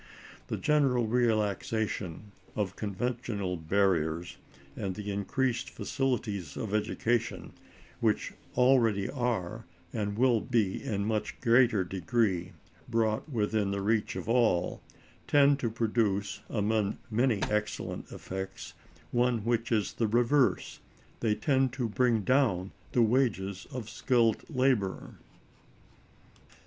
The general relaxation of conventional barriers, and the increased facilities of education which already are, and will be in a much greater degree, brought within the reach of all, tend to produce, among many excellent effects, one which is the reverse: they tend to bring down the wages of skilled labor.